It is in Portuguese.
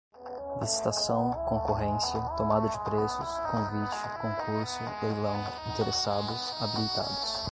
licitação, concorrência, tomada de preços, convite, concurso, leilão, interessados, habilitados